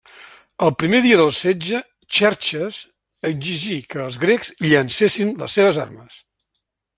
El primer dia del setge, Xerxes exigí que els grecs llancessin les seves armes.